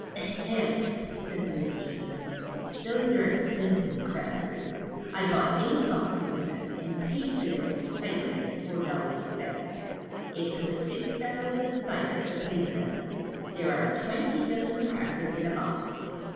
^^Ahem!" said the old gentleman. Those are ex pensive crackers. I bought eight boxes of them, and paid for them with cider at four dollars a barrel. It took six barrels of cider to pay for them. There are twenty dozen crackers in a box.